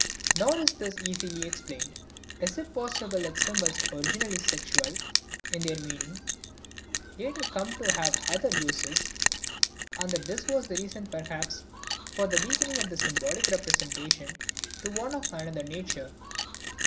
Nor is this easily explained. Is it possible that symbols originally sexual in their meaning later came to have other uses, and that this was the reason perhaps for the weakening of the symbolic representation to one of another nature?